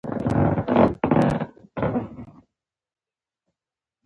څه چې رښتیا وي په اخر کې به یې راڅرګند شي.